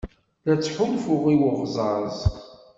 La ttḥulfuɣ i uɣẓaẓ.